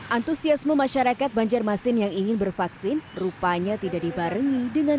antusiasme masyarakat banjarmasin yang ingin bervaksin rupanya tidak dibarengi dengan